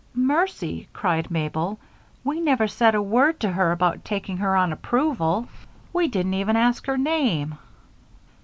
"Mercy!" cried Mabel. "We never said a word to her about taking her on approval. We didn't even ask her name."